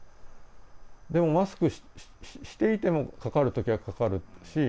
でもマスクしていてもかかるときはかかるし。